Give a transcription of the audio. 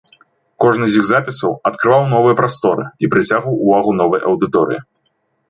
Кожны з іх запісаў адкрываў новыя прасторы і прыцягваў увагу новай аўдыторыі.